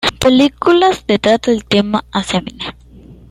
Película que trata el tema del Alzheimer.